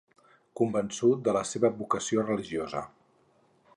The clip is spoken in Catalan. Convençut de la seva vocació religiosa.